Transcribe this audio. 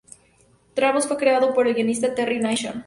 Davros fue creado por el guionista Terry Nation.